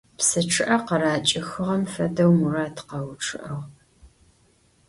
Псы чъыӏэ къыракӏыхыгъэм фэдэу Мурат къэучъыӏыгъ.